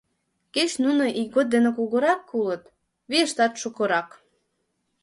Кеч нуно ийгот дене кугурак улыт, вийыштат шукырак.